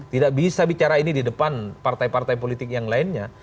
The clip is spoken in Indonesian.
tidak bisa bicara ini di depan partai partai politik yang lainnya